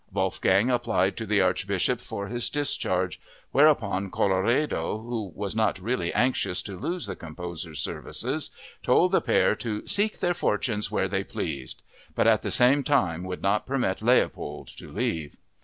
Wolfgang applied to the Archbishop for his discharge, whereupon Colloredo, who was not really anxious to lose the composer's services, told the pair to "seek their fortunes where they pleased"—but at the same time would not permit Leopold to leave.